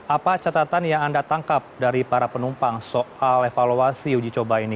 apa catatan yang anda tangkap dari para penumpang soal evaluasi uji coba ini